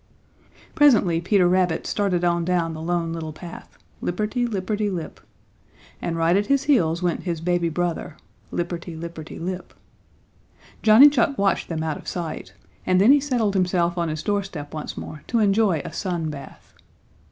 Presently Peter Rabbit started on down the Lone Little Path lipperty, lipperty, lip, and right at his heels went his baby brother lipperty, lipperty, lip. Johnny Chuck watched them out of sight, and then he settled himself on his doorstep once more to enjoy a sun bath.